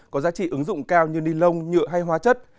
có giá trị ứng dụng cao như ni lông nhựa hay hóa chất